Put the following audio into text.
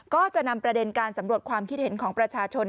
ก็จะนำประเด็นการสำรวจความคิดเห็นของประชาชน